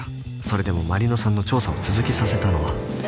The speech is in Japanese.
それでも麻里乃さんの調査を続けさせたのは